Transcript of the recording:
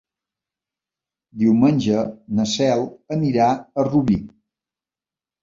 Diumenge na Cel anirà a Rubí.